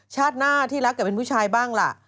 ชาติหน้าที่รักกับเป็นผู้ชายบ้างล่ะ